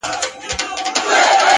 هره پوښتنه نوی فکر راویښوي,